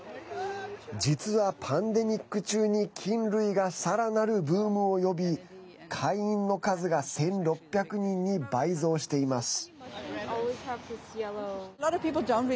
実はパンデミック中に菌類が、さらなるブームを呼び会員の数が１６００人に倍増しています。